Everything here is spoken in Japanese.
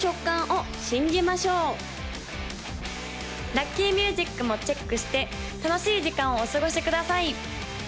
・ラッキーミュージックもチェックして楽しい時間をお過ごしください